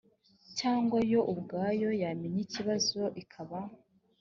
cyangwa yo ubwayo yamenya ikibazo ikaba